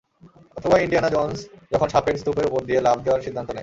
অথবা Indiana Jones যখন সাপের স্তূপের ওপর দিয়ে লাফ দেওয়ার সিদ্ধান্ত নেয়।